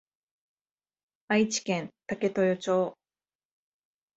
愛知県武豊町